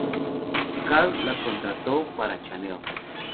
Karl la contrató para Chanel.